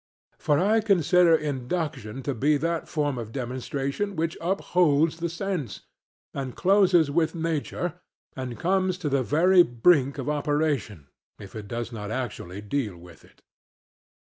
For I consider induction to be that form of demonstration which upholds the sense, and closes with nature, and comes to the very brink of operation, if it does not actually deal with it.